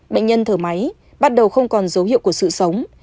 bệnh nhân thở máy bắt đầu không còn dấu hiệu của sự sống